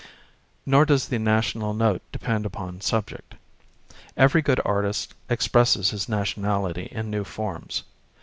Nor does the national note depend upon subject. Every good artist expresses his nationality in new forms.